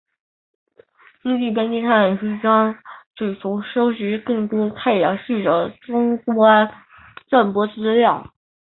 星际边界探险号任务将企图收集更多太阳系的终端震波资料。